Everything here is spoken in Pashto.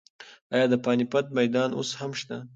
ایا د پاني پت میدان اوس هم شته؟